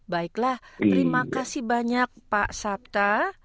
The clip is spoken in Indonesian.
baiklah terima kasih banyak pak sabta